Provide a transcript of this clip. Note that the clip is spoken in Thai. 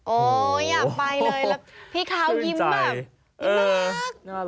โอ้ยอยากไปเลยพี่คาวยิ้มแบบน่ารัก